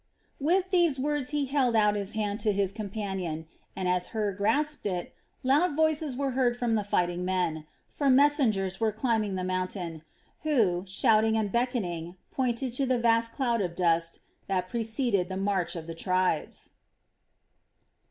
With these words he held out his hand to his companion and, as Hur grasped it, loud voices were heard from the fighting men, for messengers were climbing the mountain, who, shouting and beckoning, pointed to the vast cloud of dust that preceded the march of the tribes.